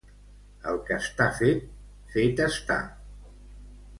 El que està fet, fet està.